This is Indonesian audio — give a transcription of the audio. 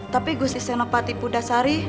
tapi gue si senopati pudasari